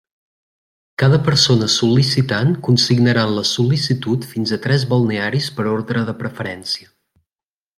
Cada persona sol·licitant consignarà en la sol·licitud fins a tres balnearis per orde de preferència.